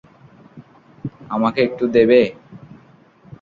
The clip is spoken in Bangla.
আমাকে একটু দেবে?